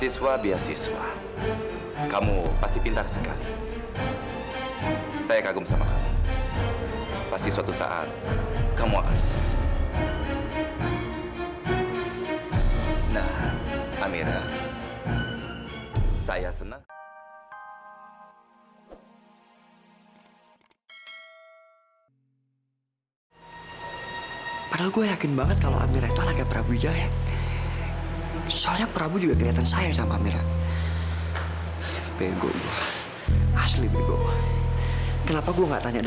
sampai jumpa di video selanjutnya